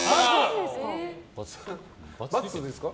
×ですか。